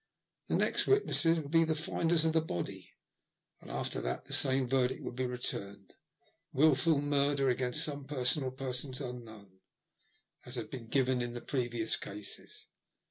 The next witnesses would be the finders of the body, and after that the same verdict would be returned —Wilful murder against some person or persons unknown" — as had been given in the previous cases.